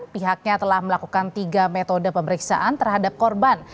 pihaknya telah melakukan tiga metode pemeriksaan terhadap korban